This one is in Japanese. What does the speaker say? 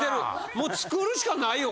もう作るしかないよ。